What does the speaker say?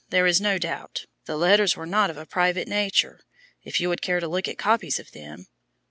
There is no doubt. The letters were not of a private nature. If you would care to look at copies of them?"